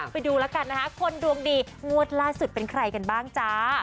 ไปดูแล้วกันนะคะคนดวงดีงวดล่าสุดเป็นใครกันบ้างจ้า